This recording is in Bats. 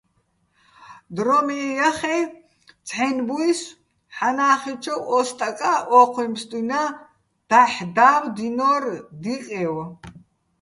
დრო მე ჲახეჼ, ცჰ̦აჲნი̆ ბუჲსო̆ ჰ̦ანა́ხიჩოვ ო სტაკა́ ო́ჴუჲ ბსტუჲნა́ დაჰ̦ და́ვდინო́რ დიკევ.